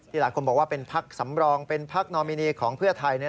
หลายคนบอกว่าเป็นพักสำรองเป็นพักนอมินีของเพื่อไทย